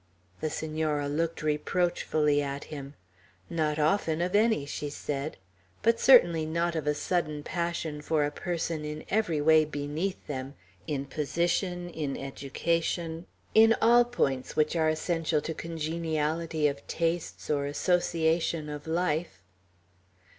The Senora looked reproachfully at him. "Not often of any," she said; "but certainly not of a sudden passion for a person in every way beneath them, in position, in education, in all points which are essential to congeniality of tastes or association of life."